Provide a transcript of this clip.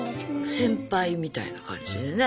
先輩みたいな感じでね。